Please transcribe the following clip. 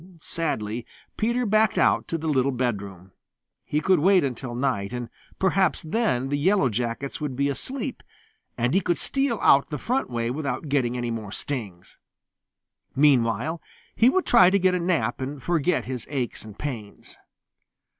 Sadly Peter backed out to the little bedroom. He would wait until night, and perhaps then the Yellow Jackets would be asleep, and he could steal out the front way without getting any more stings. Meanwhile he would try to get a nap and forget his aches and pains.